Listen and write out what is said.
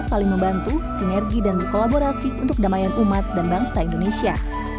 saling membantu sinergi dan berkolaborasi untuk damaian umat dan bangsa indonesia